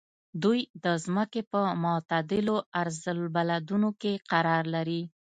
دوی د ځمکې په معتدلو عرض البلدونو کې قرار لري.